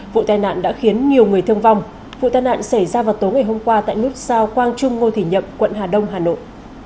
vụ tai nạn đã khiến nhiều người thương vong vụ tai nạn xảy ra vào tối ngày hôm qua tại nút sao quang trung ngô thị nhậm quận hà đông hà nội